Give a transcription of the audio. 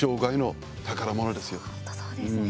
本当、そうですね。